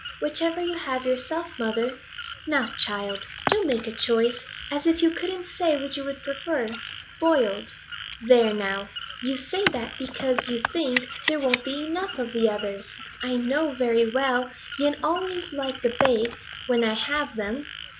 'Whichever you have yourself, mother.' 'Now, child, do make a choice! As if you couldn't say which you would prefer.' 'Boiled.' 'There now, you say that because you think there won't be enough of the others. I know very well yen always like the baked, when I have them.